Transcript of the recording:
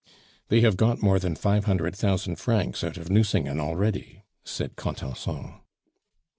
"They have got more than five hundred thousand francs out of Nucingen already," said Contenson.